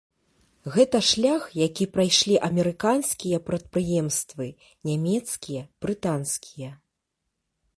Гэта шлях, які прайшлі амерыканскія прадпрыемствы, нямецкія, брытанскія.